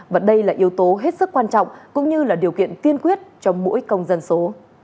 và đây là yếu tố hết sức quan trọng cũng như là điều kiện tiên quyết cho mỗi công dân số